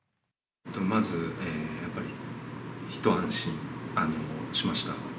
まず、やっぱり一安心しました。